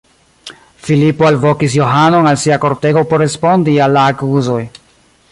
Filipo alvokis Johanon al sia kortego por respondi al la akuzoj.